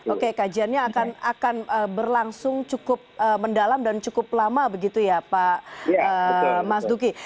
oke kajiannya akan berlangsung cukup mendalam dan cukup lama begitu ya pak mas duki